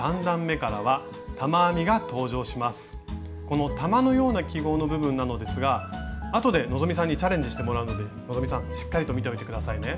この玉のような記号の部分なのですがあとで希さんにチャレンジしてもらうので希さんしっかりと見ておいて下さいね。